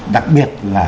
đặc biệt là